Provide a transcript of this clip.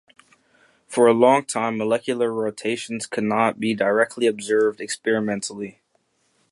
For a long time, molecular rotations could not be directly observed experimentally.